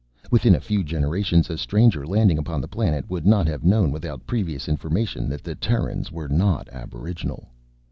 Within a few generations a stranger landing upon the planet would not have known without previous information that the Terrans were not aboriginal.